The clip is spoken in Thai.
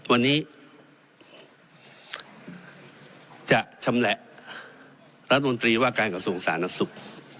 วันนี้จะชำแหละรัฐมนตรีว่าการกระทรวงสาธารณสุข